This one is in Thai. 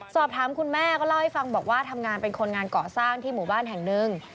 สอบถามคุณแม่ก็เล่าให้ฟังบอกว่าทำงานเป็นคนงานเกาะสร้างที่หมู่บ้านแห่งหนึ่ง